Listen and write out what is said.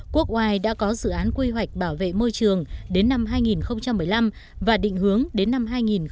quốc oai đã có dự án quy hoạch bảo vệ môi trường đến năm hai nghìn một mươi năm và định hướng đến năm hai nghìn hai mươi